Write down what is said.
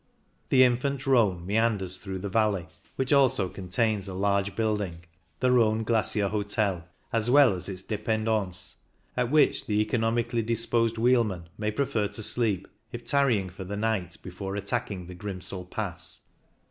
The infant Rhone meanders through the valley, which also contains a THE FURKA 125 large building, the Rhone Glacier Hotel, as well as its ddpendance, at which the economically disposed wheelman may prefer to sleep, if tarrying for the night before attacking the Grimsel Pass.